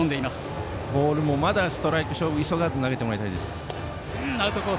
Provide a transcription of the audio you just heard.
ボールもまだストライク勝負を急がずに投げてほしいです。